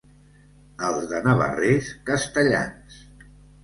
Els de Navarrés, castellans.